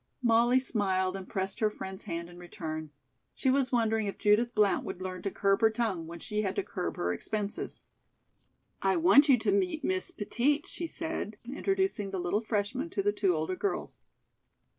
Molly smiled and pressed her friend's hand in return. She was wondering if Judith Blount would learn to curb her tongue when she had to curb her expenses. "I want you to meet Miss Petit," she said, introducing the little freshman to the two older girls.